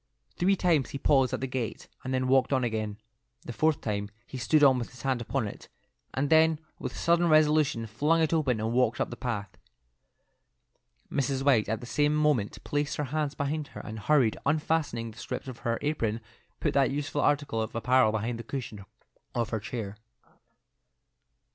Three times he paused at the gate, and then walked on again. The fourth time he stood with his hand upon it, and then with sudden resolution flung it open and walked up the path. Mrs. White at the same moment placed her hands behind her, and hurriedly unfastening the strings of her apron, put that useful article of apparel beneath the cushion of her chair.